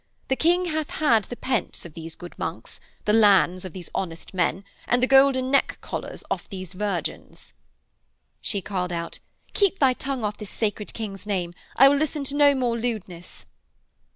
The King hath had the pence of these good monks, the lands of these honest men, and the golden neck collars off these virgins.' She called out, 'Keep thy tongue off this sacred King's name. I will listen to no more lewdness.'